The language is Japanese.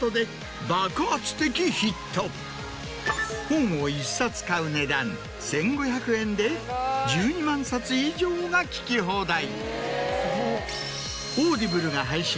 本を１冊買う値段１５００円で１２万冊以上が聴き放題。